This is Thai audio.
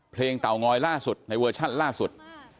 เตางอยล่าสุดในเวอร์ชั่นล่าสุด